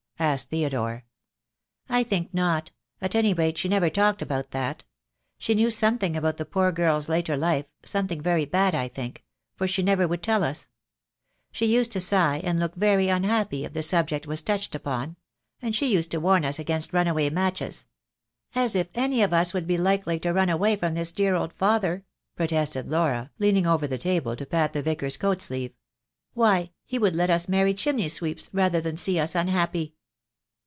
asked Theodore. "I think not; at any rate, she never talked about that. She knew something about the poor girl's later life — something very bad, I think — for she would never tell us. She used to sigh and look very unhappy if the sub ject was touched upon; and she used to warn us against runaway matches. As if any of us would be likely to run away from this dear old father?" protested Laura, leaning over the table to pat the Vicar's coat sleeve. "Why, he would let us marry chimney sweeps rather than see us unhappy."